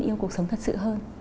yêu cuộc sống thật sự hơn